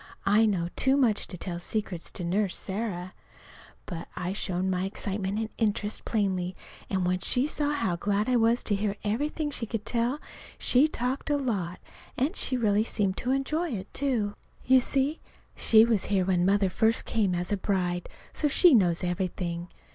I know too much to tell secrets to Nurse Sarah! But I showed my excitement and interest plainly; and when she saw how glad I was to hear everything she could tell, she talked a lot, and really seemed to enjoy it, too. You see, she was here when Mother first came as a bride, so she knows everything.